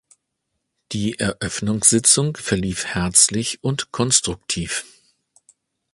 Die Eröffnungssitzung verlief herzlich und konstruktiv.